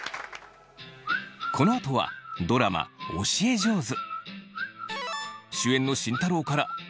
このあとはドラマ「教え上手」。